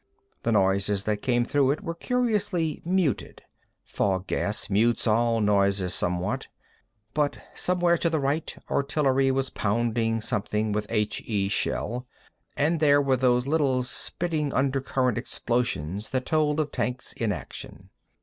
The noises that came through it were curiously muted—fog gas mutes all noises somewhat—but somewhere to the right artillery was pounding something with H E shell, and there were those little spitting under current explosions that told of tanks in action.